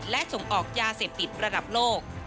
แหล่งผลิตและส่งออกยาเสพติดระดับโลก